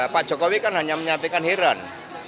pak jokowi kan hanya menyampaikan heran